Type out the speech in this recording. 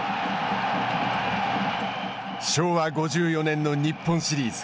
昭和５４年の日本シリーズ。